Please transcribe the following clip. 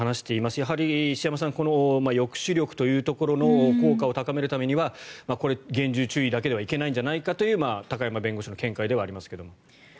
やはり石山さんこの抑止力というところの効果を高めるためには厳重注意だけではいけないんじゃないかという高山弁護士の見解ではありますが。